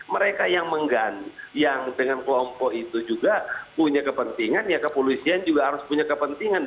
mereka yang mengganti yang dengan kelompok itu juga punya kepentingan ya kepolisian juga harus punya kepentingan